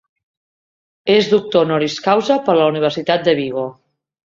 És doctor "honoris causa" per la Universitat de Vigo.